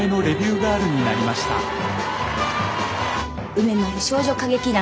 梅丸少女歌劇団